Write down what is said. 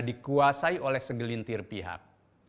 dikuasai oleh segelintir pihak